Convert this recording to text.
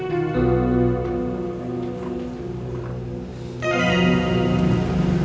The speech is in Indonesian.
tidak bisa komat